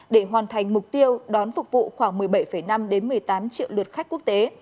để hoàn thành mục tiêu đón phục vụ khoảng một mươi bảy năm một mươi tám triệu lượt khách quốc tế